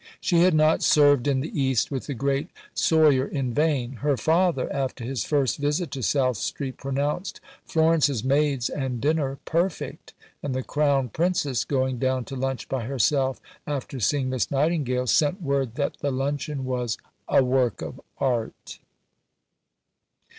She had not served in the East with the great Soyer in vain. Her father, after his first visit to South Street, pronounced "Florence's maids and dinner perfect"; and the Crown Princess, going down to lunch by herself after seeing Miss Nightingale, sent word that the luncheon was "a work of art."